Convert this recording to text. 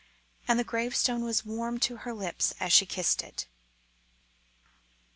And the gravestone was warm to her lips as she kissed it.